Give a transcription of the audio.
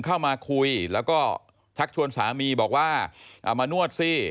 เข้ามาคุยแล้วก็ชักชวนสามีบอกว่าเอามานวดสิ